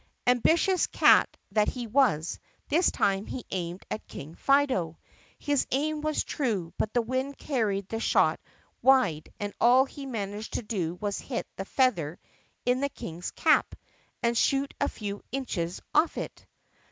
Ambitious cat that he was, this time he aimed at King Fido. His aim was true but the wind carried the shot wide and all he managed to do was to hit the feather in the King's cap and shoot a few inches off it.